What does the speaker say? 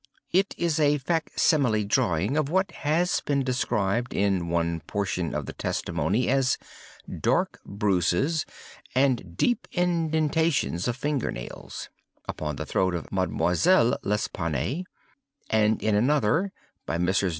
It is a fac simile drawing of what has been described in one portion of the testimony as 'dark bruises, and deep indentations of finger nails,' upon the throat of Mademoiselle L'Espanaye, and in another (by Messrs.